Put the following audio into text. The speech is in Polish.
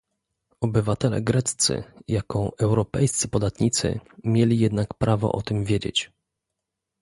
Obywatele greccy, jako europejscy podatnicy, mieli jednak prawo o tym wiedzieć